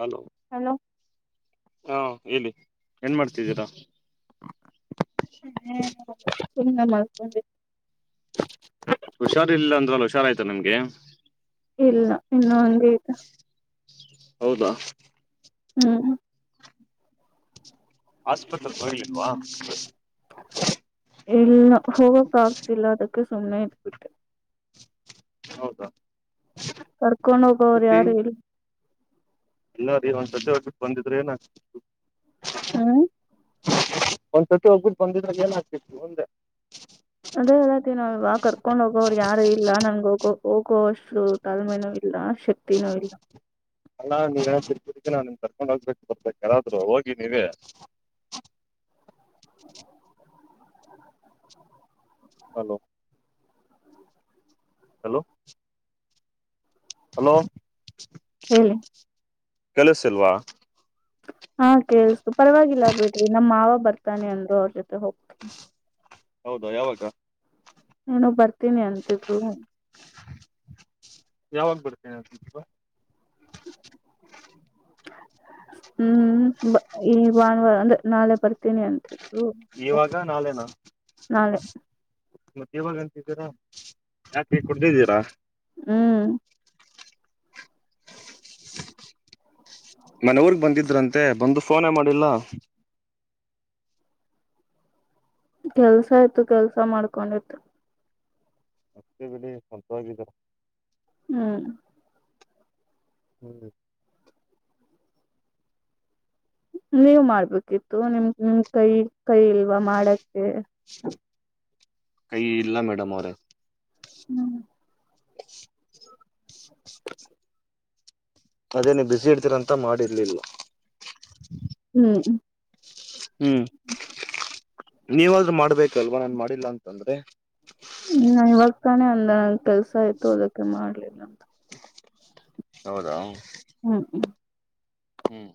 Hello hello ಹಾ ಹೇಳಿ ಏನ್ ಮಾಡ್ತಿದ್ದೀರಾ ಸುಮ್ನೆ ಮಲಡ್ಕೊಂಡ ಹುಷಾರ ಇಲ್ಲ ಅಂದ್ರ ಹುಷಾರಾಯಯ್ತು ನಿಮಗೆ ಇಲ್ಲ ಇನ್ನು ಹಂಗೆ ಐತೆ ಹೌದಾ ಹ್ಮ್ ಆಸ್ಪತ್ರೆಗೆ ಹೋಗಲಿಲ್ವಾ ಇಲ್ಲ ಹೋಗಕ್ಕ ಆಗ್ತಿಲ್ಲ ಅದಕ್ಕೆ ಸುಮ್ನೆ ಇದಬಿಟ್ಟೆ ಹೌದಾ [unintelligible] ಡ ಹೋಗೋರು ಯಾರು ಇಲ್ಲಾ ಎಲ್ಲಾರ ಒಂದ್ ಸತಿ ಹೋಗಿಬಂದಿದ್ರೆ ಏನ್ ಆಗ್ತಿತು ಹ್ಮ್ ಒಂದ್ಸತಿ ಹೋಗ್ಬಿಟ್ಟು ಬಂದಿದಾಗ ನ್ ಹಾಕ್ತಿತ್ತು ಅಂದೇ ಅದೇ ಹೇಳತಿನಲ್ಲ ಕರ್ಕೊಂಡ್ ಹೋಗೋರು ಯಾರು ಇಲ್ಲ ನನ್ಗೆ ಹೋಗೋ ಹೋಗೋ ಅಷ್ಟ ಅಷ್ಟು ತಾಳ್ಮೆನು ಇಲ್ಲ ಇಲ್ಲ ಶಕ್ತಿನೂ ಇಲ್ಲ ಕ್ಕೆ ನಾ ನಿನ್ ಕರ್ಕೊಂಡ್ ಹೋಗ್ಬೇಕು ಬರ್ಬೇಕ ಕಯಾರಾದ್ರೂ ಹೋಗಿ ನೀವೇ ಹಲೋ ಹಲೋ ಹಲೋ ಹ್ಮ ಕೆಲಸಿಲ್ವಾ ಹಾ ಕೇಳಸ್ತು ಪರವಾಗಿಲ್ಲ ಬಿಡ್ರಿ ನಮ್ಮ ಮಾವ ಬರ್ತಾನೆ ಅಂದ್ರು ಅವ್ರ ಜೊತೆ ಹೋಗ್ತ ಹೌದಾ ಯಾವಾಗ ಏನೋ ಬರ್ತಿ ತಿನಿ ಅಂತಿದ್ರು ಯಾವಾಗ ಬರ್ತೇನೆಪ್ಪ ಹ್ಮ್ ಈ ಭಾನುವಾರ ಅಂದ್ರೆ ನಾಳೆ ಬರ್ತೀ ಬರ್ತೀನಿ ಅಂತಿದ್ರು ಇವಾಗ ನಾಳೆನಾ ನಾಳೆ ಮತ್ ಇವಾಗ ಯಾಕೆ ಕುಡ್ದಿದ್ದೀರ ಹ್ಮ್ ಮೊನ್ನೆ ಊರಿಗೆ ಬಂದಿದ್ರಂತೆ ಬಂದು ಫೋನೇ ಮಾಡಿಲ್ಲ. ಕೆಲಸ ಇತ್ತು ಕೆಲ್ಸ ಮಾಡ್ಕೊಂಡ ಇದೆ. ಹೋಗ್ಲಿ ಬಿಡು. ಹ್ಮ್ [inaudible] ನೀವ್ ಮಾಡ್ಬೇಕಿತ್ತು ನಿಮ್ ನಿಮ್ ಕೈ ಕೈ ಇಲ್ವಾ ಮಾಡಕ್ಕೆ. ಕೈ ಇಲ್ಲ ಮೇಡಮ್ ಅವ್ರೆ. ಹ್ಮ್ [inaudible] ಅದೇ ನೀವ ಬಿಸಿ ಇರ್ತೀರಂತ ಮಾಡಿರ್ಲಿಲ್ಲ. ಹ್ಮ್ ಹ್ಮ್ ನೀವಾದ್ರೂ ಮಾಡ್ಬೇಕಲ್ವಾ ನಾನ್ ಮಾಡಿಲ್ಲ ಅಂತಂದ್ರೆ. ಹ್ಮ ಇವಾಗ ತಾನೇ ಅಂದೇ ಕೆಲ್ಸ ಇತ್ತು ಅದಕ್ಕೆ ಮಾಡ್ಲಿಲ್ಲ ಅಂತ ಹೌದಾ ಹ್ಮ್ ಹ್ಮ್ ಹ್ಮ್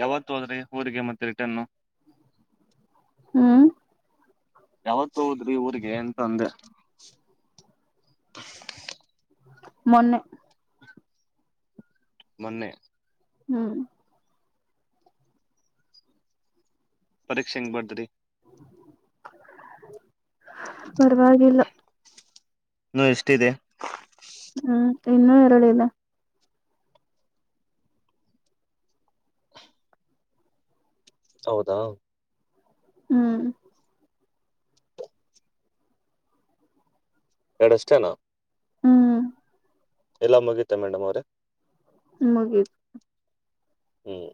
ಯಾವತ್ತು ಹೋದ್ರಿ ಊರಿಗೆ ಮತ್ತೆ ರಿಟನ್ನು ಹ್ಮ್ ಯಾವತ್ ಹೋದ್ರಿ ಊರ್ಗೆ ಅಂತ ಅಂದೆ ಮೊನ್ನೆ. ಮೊನ್ನೆ. ಹ್ಮ್ ಪರೀಕ್ಷೆ ಹೆಂಗ್ ಬರದ್ರಿ. ಪರವಾಗಿಲ್ಲ. ಇನ್ನು ಎಷ್ಟಿದೆ. ಹ್ಮ್ ಇನ್ನು ಎರಡು ಇದೆ. ಹೌದಾ ಹ್ಮ್ ಎರಡಷ್ಟೇನಾ. ಹ್ಮ್ ಎಲ್ಲಾ ಮುಗಿತ ಮೇಡಮ್ ಅವ್ರೆ. ಮುಗೀತು. ಹ್ಮ್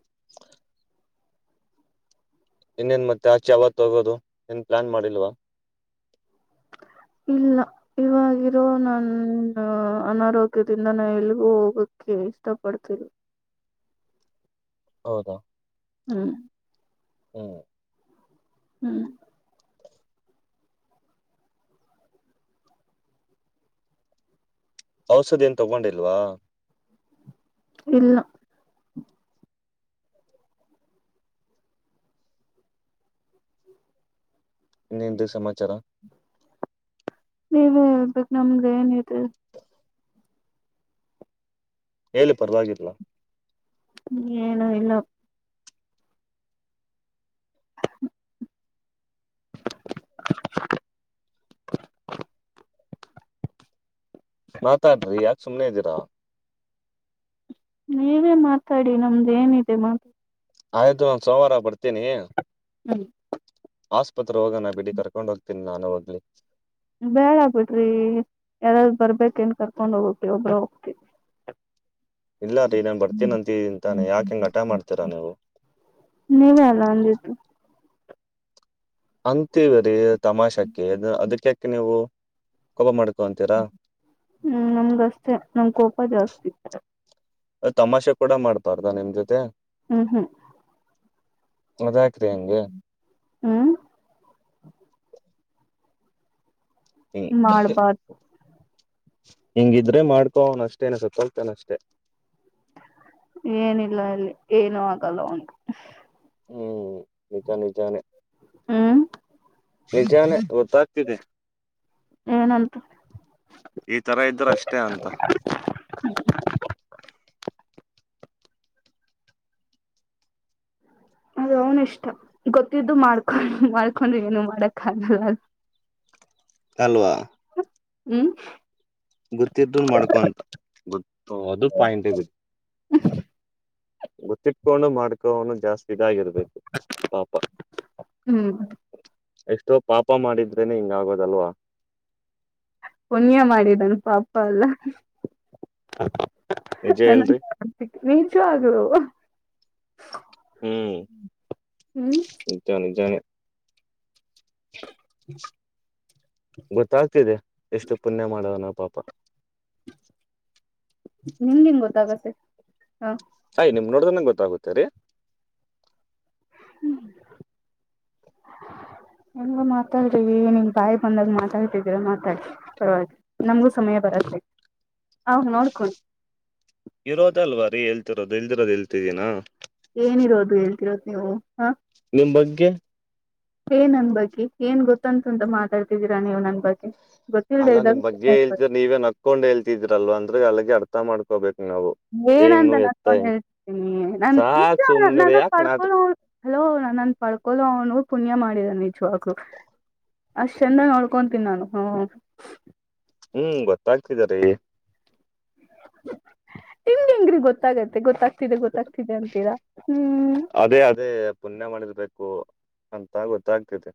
ಇನ್ನೇನ್ ಮತ್ತೆ ಆಚೆ ಯಾವತ್ತು ಹೋಗೋದು ಏನ್ ಪ್ಲಾನ್ ಮಾಡಿಲ್ವಾ. ಇಲ್ಲ ಇವಾಗ ಇರೋ ನನ್ ಅನಾರೋಗ್ಯದಿಂದ ನಾ ಎಲ್ಗೂ ಹೋಗಕ್ಕೆ ಇಷ್ಟ ಪಡ್ತಿಲ್ಲ ಹೌದಾ ಹ್ಮ್ ಹ್ಮ ಹ್ಮ್ ಔಷಧ ಏನ್ ತಗೊಂಡಿಲ್ವಾ. ಇಲ್ಲ ಇನ್ನೇನ್ರೀ ಸಮಾಚಾರ. ನೀವೇ ಹೇಳ್ಬೇಕು ನಮ್ದ ಏನ್ ಇದೆ. ಹೇಳಿ ಪರ್ವಾಗಿಲ್ಲ. ಏನು ಇಲ್ಲಪ್ಪ ಮಾತಾಡ್ರಿ ಯಾ ಸುಮ್ಮ್ನೆದಿರಾ ನೀವೇ ಮಾತಾಡಿ ನಮ್ದು ಏನಿದೆ ಮಾತ ಆಯ್ತು ನಾನು ಸೋಮವಾರ ಬರ್ತೀನಿ ಹ್ಮ್ ಆಸ್ಪತ್ರೆ ಹೋಗೋಣ ಬಿಡಿ ಕರ್ಕೊಂಡ್ ಹೋಗ್ತೀನಿ ನಾನು ಹೋಗ್ಲಿ ಬೇಡ ಬಿಡ್ರಿ ಯಾರಾದ್ರು ಬರ್ಬೇಕೆನ್ ಕರ್ಕೊಂಡ್ ಹೋಗೋಕೆ ಒಬ್ರ ಹೋಗ್ತಿವಿ ಇಲ್ಲ ರೀ ನಾನ್ ಬರ್ತೀನ ಅಂತ ಇದೀನಿ ಯಾಕ ಹಿಂಗ ಹಠ ಮಾಡ್ತೀರಾ ನೀವು ನೀವೇ ಅಲ್ಲ ಅಂದಿದ್ದು ಅಂತಿವ್ರಿ ತಮಾಷಾಕ್ಕೆ ಅದಕ್ಕೆ ನೀವು ಕೋಪಮಾಡ್ಕ್ ಹ್ಮ್ ನಮ್ಗಷ್ಟೇ ನಮ ಕೋಪ ಜಾಸ್ತಿ ತಮಾಷೆ ಕೂಡ ಮಾಡ್ಬಾರ್ದಾ ನಿಮ್ ಜೊತೆ ಹ್ಮ್ ಹ್ಮ್ ಅದ ಹ್ಮ್ ಹಿಂಗ್ ಮಾಡ್ಬಾರ್ದು ಹಿಂಗಿದ್ರೆ ಮಾಡ್ಕೋನಷ್ಟೇನ ಸತ್ತೋಗ್ತಾನಷ್ಟೇ ಏನಿಲ್ಲ ಇಲ್ಲಿ ಏನು ಆಗಲ್ಲ ಅವನ್ಗೆ ಹ್ಮ್ ನಿಜಾ ನಿಜಾನೆ ಹ್ಮ್ ನಿಜಾನ ಗೊತ್ತಾಗ್ತಿದೆ ಏನಂತ ಈ ತರ ಇದ್ರ ಅಷ್ಟೇ ಅಂತ [unintelligible] ಅದ ಅವನ್ ಇಷ್ಟ ಗೊತ್ತಿದ್ದು ಮಾಡ್ಕೊಂಡ ಮಾಡ್ಕೊಂಡ್ರೆ ಏನು ಮಾಡಕ್ ಆಗಲ್ಲ ಅಲ್ವಾ ಹ್ಮ್ ಗೊತ್ತ್ದ ಮಾಡ್ಕೊಂತ ಗೊತ್ತ ಅದು ಪಾಯಿಂಟೇ ಗತ್ತ ಗೊತ್ತಿಟ್ಕೊಂಡು ಮಾಡ್ಕೋ ಜಾಸ್ತಿ ಇದಾಗಿರ್ಬೇಕು ಪಾಪ ಹ್ಮ್ ಎಷ್ಟೋ ಪಾಪ ಮಾಡಿದ್ರೇನೆ ಹಿಂಗ ಆಗೋದಲ್ವಾ ಪುಣ್ಯ ಮಾಡಿದಾನ ಪಾಪ ಎಲ್ಲ ನಿಜ ನ ಹೇಳ್ರಿ ನೀಚೂ ಆಗದು [inaudible] ಹ್ಮ್ ಹ್ಮ್ ನಿಜಾ ನಿಜಾನೆ ಹ ಗೊತ್ತಾಗ್ತಿದೆ ಎಷ್ಟು ಪುಣ್ಯ ಮಾಡವ್ನೆ ಪಾಪ ನಿಮ್ ನಿಮ್ ಗೊತ್ತಾಗತೆ ಹಾ ಸಾಯ್ ನಿಮ್ ನೋಡ್ದನಂಗ ಗೊತ್ತಾಗುತ್ತೇರಿ ಹ್ಮ್ ಮಾತಾಡ್ರವಿ ನಿಂಗ್ ಬಾಯಿ ಬಂದಾಗ ಮಾತಾಡ್ತಿದೀರ ಮಾತಾಡ ಪರವಾಗಿ ನಮಗೂ ಸಮಯ ಬರತ್ತೆ ಅವ ನೋಡ್ಕೊಂಡ ಇರೋದ ಅಲ್ವ ರೀತಿರೋದು ಇಲ್ದಿರೋದು ಇಲ್ತಿದೀನಾ ಏನಿರೋದು ಹೇಳ್ತಿರೋದು ಹ ಹ ನಿಮ್ ಬಗ್ಗೆ ಏ ನನ್ ಬಕಿ ಏನ್ ಗೊತ್ತ ತಂತ ಮಾತಾಡ್ತಿದ್ದೀರಾ ನೀವು ನನ್ ಬಗ್ಗೆ ಗೊತ್ತಿಲ್ದೆ ಅಲ್ಲ ಇದ್ದಾಗ ನಿಮ್ ಬಗ್ಗೆ ಸುಮ್ನೆ ಇರ್ಬೇಡಿ ಹೇಳ್ತ ನೀವೇ ನಕೊಂಡ್ ಹೇಳ್ತಿದ್ರಲ್ವಾ ಅಂದ್ರೆ ಅಲ್ಲಿ ಅ ಅರ್ಥ ಮಾಡ್ಕೋಬೇಕು ನಾವು ಹೆಂಗ್ ಏನಂತ ನು ಎತ್ತ ನನ್ಕೊಂಡ್ ಹೆಂಗ್ ಹೇಳ್ತತೀನಿ ನನ್ ಇ ಸಾಕ್ ಸುಮ್ನೆರಿ ನನ್ನನ್ ಯಾಕ ಪಡ್ಕಳ ನಾಟಕ ಹಲೋ ನನ್ನಂದ ಪಡ್ಕೊಳ್ಳಳ ಅವನು ಪುಣ್ಯ ಮಾಡಿದ ನಿಜವಾಗೂ ಅಷ್ಟ ಚಂದ ನೋಡ್ಕೊತೀನಿ ನಾನು ಹ್ಮ ಹ್ಮ್ ಗೊತ್ತಾಗ್ತಿದಾರೀ ಹಂಗ್ಗೆ ಹೆಂಗ್ರಿ ಗೊತ್ತಾಗತ್ತೆ ಗೊತ್ತಾಗ್ ದೆ ಗೊತ್ತಾಗ್ತಿದೆ ಅಂತೀರಾ ಹ್ಮ್ ಬೇಕು ಅಂತ ಗೊತ್ತಾಗ್ತಿದೆ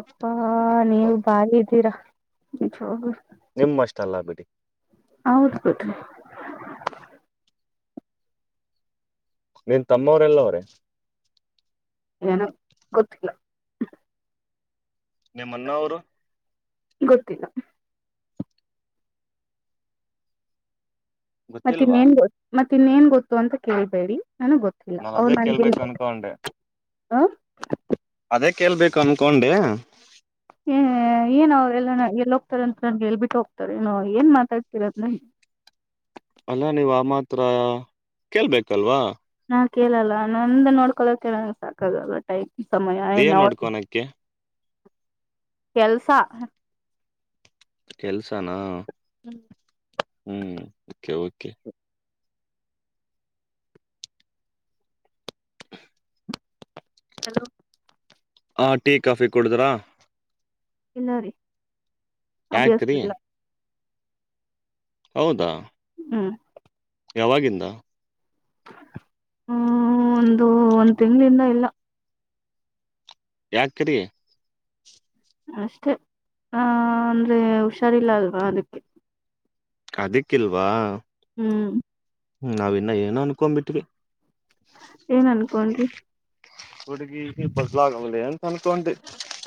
ಅಪ್ಪಾ ನೀವ ಬಾಯ ಇದ್ದೀರಾ ವಿ ನಿಮ್ಮ ಅಷ್ಟ ಅಲ್ಲ ಬಿಡಿ ಹೌದ ಬಿಡ್ರಿ ನಿನ್ ತಮ್ಮವರೆಲ್ಲ ಅವ್ರೆ ಏನು ಗೊತ್ತಿಲ್ಲ ನಿಮ್ಮ ಅನ್ನ ಅವರು ಗೊತ್ತಿಲ್ಲ ಮತ್ತೆ ಗೊತ್ತಿಲ್ವಾ ಇನ್ನೇನ್ ಗೋ ಮತ್ತೆ ತಿನ್ನೇನ್ ಗೊತ್ತು ಅಂತ ಕೇಳ್ಬೇಡಿ ನನಗ್, ಗೊತ್ತಿಲ್ಲ, ನಾನ್ ಅವ್ ಅದೇ ನನ್ಗೆ ಕೇಳ್ಬೇಕು ಹೇಳಿದ್ಲು. ಅನ್ಕೊಂಡೆ [unintelligible] ಹ. [unintelligible] ಅದೇ, ಕೇಳ್ಬೇಕು, ಅನ್ಕೊಂಡೆ? [inaudible] ಹ್ಮ್, ಏನ, ಅವರು, ಎಲ್ಲನ. [inaudible] ಎಲ್ಲಿ, ಹೋಗ್ತಾರೆ! ಅಂತ ನನ್ಗೆೇಳ್ಬಿಟ್ಟು, ಹೋಗ್ತಾರೆ ಏನ್ ಮಾತಾಡ್ತಿರದನ್ನ. [inaudible] ಅಲ್ಲಾ, ನೀವ್, ಆ ಮಾತ್ರ ಕೇಳ್ಬೇಕಲ್ವಾ? [inaudible] ಹಾ, ಕೇಳಲ್ಲ, ಅವನ್ನುಂಧು, ನೋಡಿಕೊಂಡ್ರೆಸಕ್ಕೂ, ಕೇಳ್ಧುನ್ನಾಗೆ, ಟೈ.. [inaudible] ಸಮಯ, ಆ ಏನ್ ನವದು. ನೋಡ್ಕೊನಕ್ಕೆ [inaudible] ಕೆಲ್ಸ ಕೆಲ್ಸನಾ ಹ್ಮ್ ಹ್ಮ್ ೆ ಓಕೆ ಹಲೋ ಹ, ಟೀ, ಕಾಫಿ, ಕುಡುದ್ರಾ? [inaudible] ತಿನರಿ. [inaudible] ಅಭ್ಯಾಸ ಯಾಕ್ರಿ ಇಲ್ಲಾ. [inaudible] ಹೌದಾ. [inaudible] ಹ್ಮ್... [inaudible] ಯಾವಾಗಿಂದ. [inaudible] ಹ್ಮ, ಒಂದು, ಒಂದ್, ತಿಂಗಗಳಿಂದ ಇಲ್ಲ. [inaudible] ಯಾಕರಿ. [inaudible] ಅಷ್ಟೆ, ಆ, ಅಂದ್ರೆ ಹುಷಾರಿಲ್ಲ! ಅಲ್ವಾ ಅದಕ್ಕೆ? [inaudible] ಅದಿಕ್ಕಿಲ್ವಾ! [inaudible] ಹ್ಮ್. [inaudible] ಹ್ಮ, ನಾವ್ ಇನ್ನ ಏನನುಅನುಕೊಂಡುಬಿಟ್ಟವಿ? [inaudible] ಏನ್, ಅನ್ಕೊಂಡ್ರಿ. [inaudible] ಹುಡುಗಿ, ಬದ್ಲ, ಆಗಾವಲೇ, ಅಂತ, ಅನುಕೊಂಡುವಿ. [inaudible]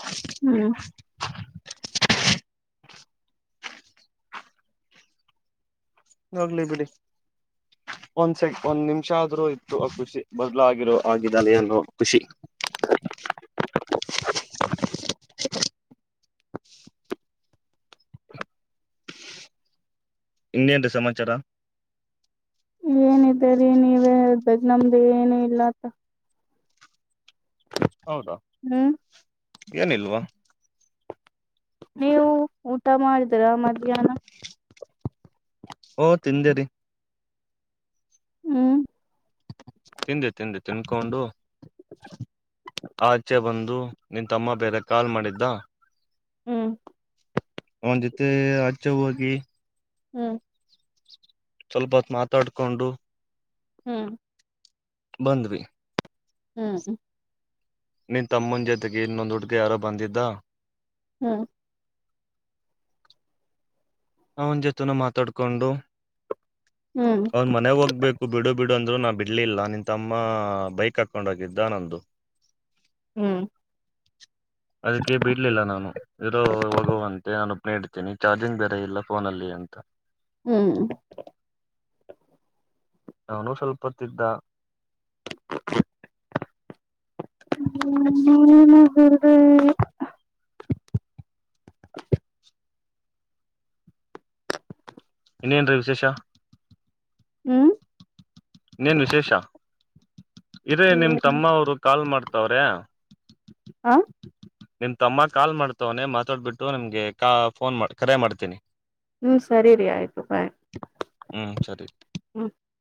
ಹ್ಮ್... [inaudible] ಹೋಗ್ಲಿ, ಬಿಡಿ ಒಂದ್, ಸೆ ಒಂದ್ ನಿಮಿಷ ಆದ್ರೂ, ಇತ್ತು ಆ ಖುಷಿ, ಬದ್ಲು ಆಗಿರೋ ಆಗಿದ್ದಳೆ ಅನ್ನೋ ಖುಷಿ. [inaudible] [unintelligible] [inaudible] ಇನ್ನೂರಿ, ಸಮಾಚಾರ? [inaudible] ಏನ್ದರಿ, ನೀವೇ, ಬಜ, ನಮ್ದು ಏನು ಇಲ್ಲ ಅಪ್ಪಾ. [inaudible] ಹೌದಾ, ಹ್ಮ್ ಏನಿಲ್ವಾ? [inaudible] ನೀವು, ಊಟ ಮಾಡಿದೀರಾ! ಮಧ್ಯಾಹ್ನ. [inaudible] ಓ, ತಿಂದೇರಿ. [inaudible] ಹ್ಮ್... [inaudible] ತಿಂದೆ, ತಿಂದೆ, ತಿಂದೆ, ತಿನುಕೊಂಡು, ಆಚೆ ಬಂದು. [inaudible] ಬ್ರೋ, ನಿಮ್, ತಮ್ಮ ಬೇರೆ ಕಾಲ್ ಮಾಡಿದ್ದ. [inaudible] ಹ್ಮ್... [inaudible] ಅವನ, ಜೊತೆ, ಅಚೆ, ಹೋಗಿ... [inaudible] ಹ್ಮ್... [inaudible] ಸ್ವಲ್ಪ, ಹೊತ್ ಮಾತಾಡ್ಕೊಂಡು? [inaudible] ಹ್ಮ್. [inaudible] ಬಾಂಧುವಿ? [inaudible] ಹ್ಮ್.. [inaudible] ನೀನ್, ತಮ್ಮನ, ಜೊತೆಗೆ ಇನ್ನೊಂದು, ಹುಡುಗ ಯಾರೋ, ಬಂದಿದ್ದ. [inaudible] ಹ್ಮ್... [inaudible] ಅವನ್ ಜೊತನ ಮಾತಾಡ್ಕೊಂಡು ಹ್ಮ್ ಹ್ಮ್ ಅವನ್ ಮನೆ ಹೋಗ್ಬೇಕು ಬಿಡು ಬಿಡು ಇಡ್ ಅಂದ್ರು ನಾ ಬಿಡ್ಲಿಲ್ಲ ನಿನ್ ತಮ್ಮ ಬೈಕ್ ಹಾಕೊಂಡ್ ಹೋಗಿದ್ದ ನಂದು ಹ್ಮ್ ಅದಕ್ಕೆ ಬಿಡ್ಲಿಲ್ಲ ನಾನು ಇರೋ ಹೋಗುವಂತೆ ನಾನು ಒಪ್ ಇಡ್ತೀನಿ ಚಾರ್ಜಿಂಗ್ ಬೇರೆ ಇಲ್ಲ ಫೋನಲ್ಲಿ ಅಂತ ಹ್ಮ್ ನಾನು ಸ್ವಲ್ಪ ಹೊತ್ತಿದ್ದ ನ ನಗ ಇನ್ನೇನ್ರಿೀ ವಿಶೇಷ ಹ್ಮ್ ನೀೇನ್ ವಿಶೇಷ ಇದದೆೇ ನಿಮ್ ತಮ್ಮ ಅವ್ರು ಕಾಲ್ ಮಾಡ್ತಾರೆ ತವ್ರೆ ಆಾ ನಿನ್ ತಮ್ಮ ಕಾಲ್ ಮಾಡ್ತವನೆ ಮಾತಾಡ್ಬಿಟ್ಟು ನಮಗೆ ಕ ಫೋನ್ ಮಾಡ ಕರೆ ಮಾಡ್ತೀನಿ ಹ್ಮ್ ಸರಿರಿ ಆಯ್ತು ಬಾಯ್ ಹ್ಮ್ ಸರಿ ಹ್ಮ್